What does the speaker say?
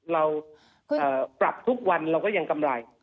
เราปรับทุกวันเราก็ยังกำไร